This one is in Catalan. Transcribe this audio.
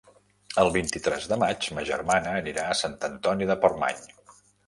El vint-i-tres de maig ma germana anirà a Sant Antoni de Portmany.